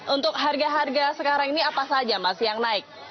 untuk harga harga sekarang ini apa saja mas yang naik